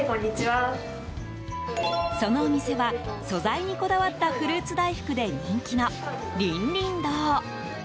そのお店は、素材にこだわったフルーツ大福で人気の凛々堂。